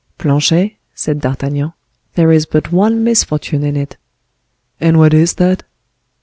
"Planchet," said D'Artagnan, "there is but one misfortune in it." "And what is that?"